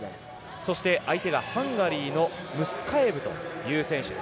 そして相手がハンガリーのムスカエブという選手です。